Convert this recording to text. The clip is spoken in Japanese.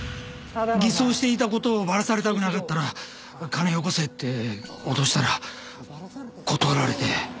偽装していた事をバラされたくなかったら金よこせって脅したら断られて。